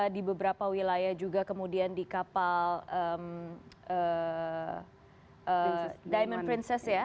di beberapa wilayah juga kemudian di kapal diamond princess ya